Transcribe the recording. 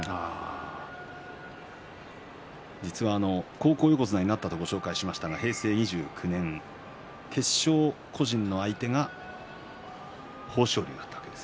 高校横綱になったとご紹介しました平成２９年決勝個人の相手が豊昇龍でした。